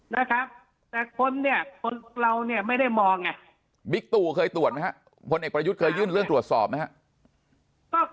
แต่คนเราไม่ได้มองบิ๊กตูเคยตรวจมั้ยครับพลเอกประยุทธ์เคยยื่นเรื่องตรวจสอบมั้ยครับ